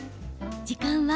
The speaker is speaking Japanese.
時間は？